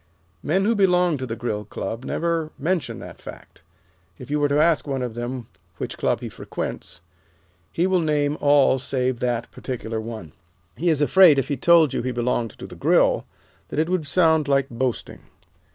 Men who belong to the Grill Club never mention that fact. If you were to ask one of them which clubs he frequents, he will name all save that particular one. He is afraid if he told you he belonged to the Grill, that it would sound like boasting.